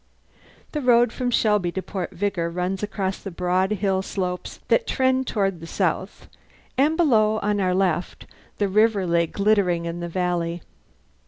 The road from Shelby to Port Vigor runs across the broad hill slopes that trend toward the Sound; and below, on our left, the river lay glittering in the valley.